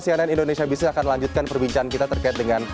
cnn indonesia business akan lanjutkan perbincangan kita terkait dengan